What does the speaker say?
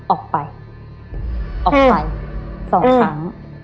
ออกไปออกไปสองครั้ง